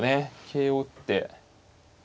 桂を打って。